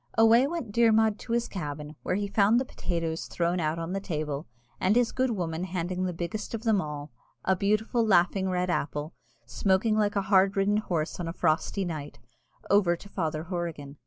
Away went Dermod to his cabin, where he found the potatoes thrown out on the table, and his good woman handing the biggest of them all, a beautiful laughing red apple, smoking like a hard ridden horse on a frosty night, over to Father Horrigan.